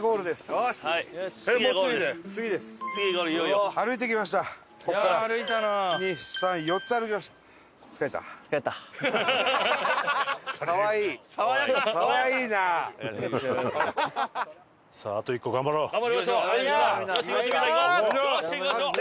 よーし行きましょう！